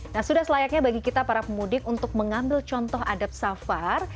nah sudah selayaknya bagi kita para pemudik untuk mengambil contoh adab safar